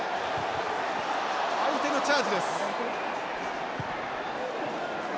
相手のチャージです。